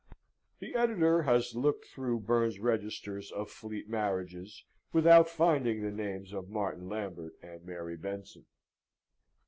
[The Editor has looked through Burn's Registers of Fleet Marriages without finding the names of Martin Lambert and Mary Benson.